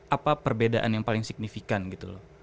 apa perbedaan yang paling signifikan gitu loh